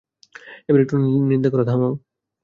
এবার একটু নিন্দা করা থামাও?